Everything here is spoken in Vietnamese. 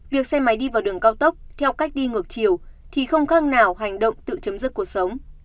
việc xe máy đi vào đường cao tốc theo cách đi ngược chiều thì không khác nào hành động tự chấm dứt cuộc sống